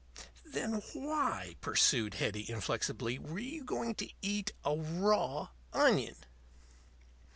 "Then why," pursued Hetty, inflexibly, "were you going to eat a raw onion?"